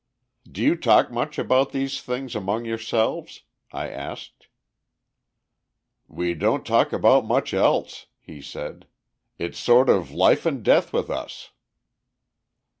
"Do you talk much about these things among yourselves?" I asked. "We don't talk about much else," he said. "It's sort of life and death with us."